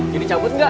jadi cabut gak